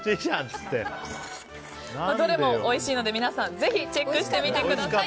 どれもおいしいので皆さんぜひチェックしてみてください。